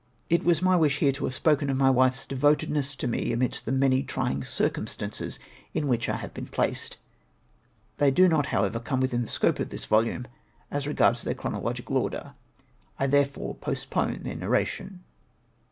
It was my wish here to have spoken of my wife's devotedness to me amidst the many trying circum stances in which, I have been placed. They do not however, come within the scope of this volume, as regards thefr chronological order, I therefore post pone then nairation.